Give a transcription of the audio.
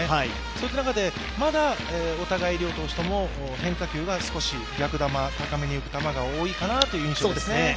そういった中で、まだ両投手とも変化球が逆球にいくのが多いかなという感じですね。